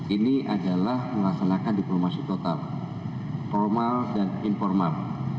ini adalah melaksanakan diplomasi total formal dan informal